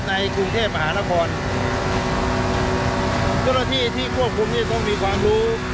ในกรุงเทพอาหารครที่ที่ควบคุมนี้ต้องมีความรู้